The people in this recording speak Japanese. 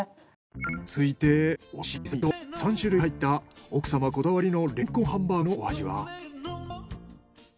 続いておろし刻み輪切りと３種類入った奥様こだわりのレンコンハンバーグのお味は？